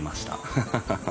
ハハハハハ。